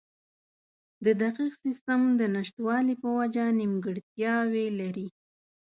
د دقیق سیستم د نشتوالي په وجه نیمګړتیاوې لري.